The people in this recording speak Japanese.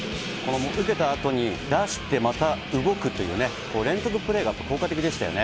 受けたあとに出してまた動くというね、連続プレーが効果的でしたよね。